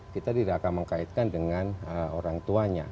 kita tidak akan mengkaitkan dengan orang tuanya